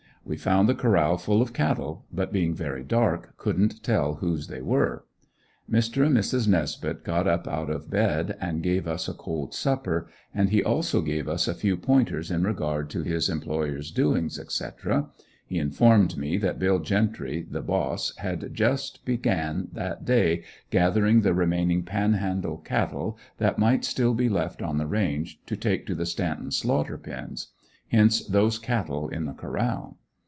We found the corral full of cattle, but, being very dark, couldn't tell whose they were. Mr. and Mrs. Nesbeth got up out of bed and gave us a cold supper; and he also gave us a few pointers in regard to his employer's doings, etc. He informed me that Bill Gentry, the boss, had just began, that day, gathering the remaining Panhandle cattle, that might still be left on the range, to take to the "Stanton" slaughter pens. Hence those cattle in the corral.